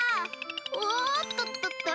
おっとっとっと。